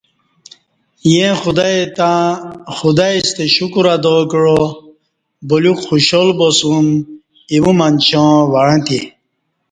ییں خدائی ستہ ݜکر ادا کعا بلیوک خوشحال باسُوم اِیمو منچاں وعݩتی